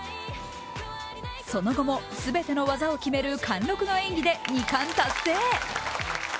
その後も全ての技を決める貫禄の演技で２冠達成。